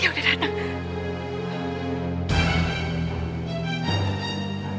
dia udah datang